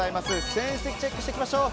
戦績チェックしていきましょう。